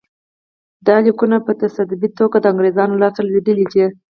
دا لیکونه په تصادفي توګه د انګرېزانو لاسته لوېدلي دي.